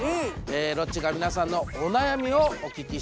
ロッチが皆さんのお悩みをお聞きしてるんですよ。